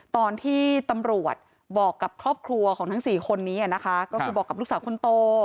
ตอนที่ตำรวจบอกกับครอบครัวของทั้งสี่คนนี้นะคะก็คือบอกกับลูกสาวคนโต